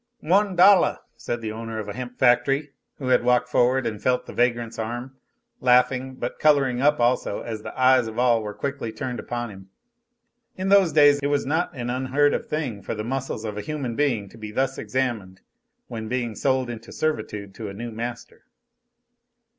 "One dollah!" said the owner of a hemp factory, who had walked forward and felt the vagrant's arm, laughing, but coloring up also as the eyes of all were quickly turned upon him. In those days it was not an unheard of thing for the muscles of a human being to be thus examined when being sold into servitude to a new master.